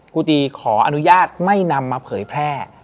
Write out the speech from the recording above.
กูตีขออนุญาตไม่นำมาเผยแพร่